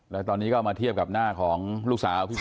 แล้วตอนนี้ก็มาเทียบกับหน้าของลูกสาวผู้ประปักษณ์